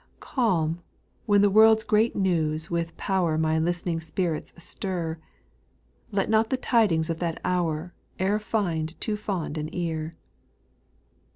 Calm when the great world's news with power My listening spirits stir, r Let not the tidings of the hour E'er find too fond an ear ;— 7.